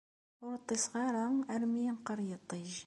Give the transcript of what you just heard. Ur ṭṭiseɣ ara armi yenqer yiṭij.